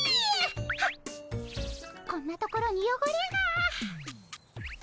はっこんなところによごれが。